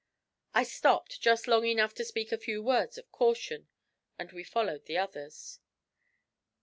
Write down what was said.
I stopped just long enough to speak a few words of caution, and we followed the others.